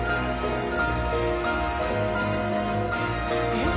えっ？